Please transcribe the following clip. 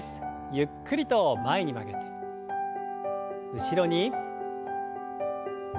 ゆっくりと前に曲げて後ろに。